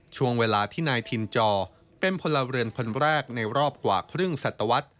ช่วงเวลาที่นายถิ่นจอเป็นพลเรือนคนแรกในรอบกว่าครึ่งสัตวรรษ